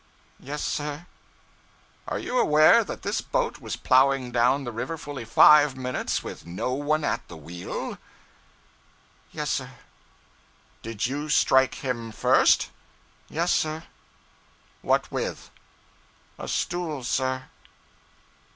'Yes, sir.' 'Are you aware that this boat was plowing down the river fully five minutes with no one at the wheel?' 'Yes, sir.' 'Did you strike him first?' 'Yes, sir.' 'What with?' 'A stool, sir.'